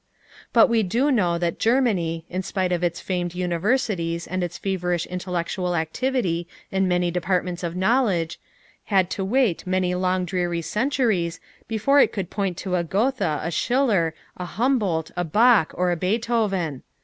But we do know that Germany, in spite of its famed universities and its feverish intellectual activity in many departments of knowledge, had to wait many long dreary centuries before it could point to a Goethe, a Schiller, a Humboldt, a Bach, or a Beethoven.